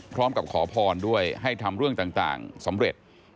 พร้อมกับขอพรด้วยให้ทำเรื่องต่างสำเร็จ